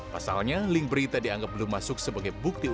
pasalnya link berita dianggap belum masuk sebagai bukti